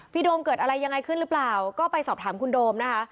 โดมเกิดอะไรยังไงขึ้นหรือเปล่าก็ไปสอบถามคุณโดมนะคะ